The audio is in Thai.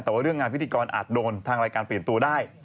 แต่ว่าเรื่องงานพิธีกรอาจโดนทางรายการเปลี่ยนตัวได้